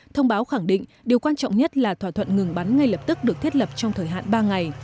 thông báo khẳng định điều quan trọng nhất là thỏa thuận ngừng bắn ngay lập tức được thiết lập trong thời hạn ba ngày